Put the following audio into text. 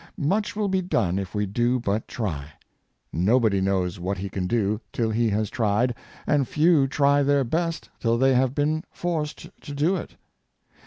Much will be done if we do but try. Nobody knows what he can do till he has tried ; and few try their best till they have been forced to do it.